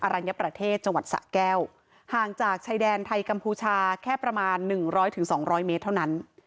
รัญญประเทศจังหวัดสะแก้วห่างจากชายแดนไทยกัมพูชาแค่ประมาณ๑๐๐๒๐๐เมตรเท่านั้น